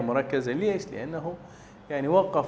ini adalah hal yang diperlukan